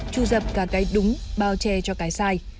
tru dập cả cái đúng bao che cho cái sai